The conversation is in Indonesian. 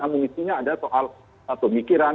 amunisinya ada soal pemikiran